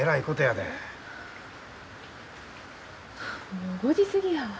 もう５時過ぎやわ。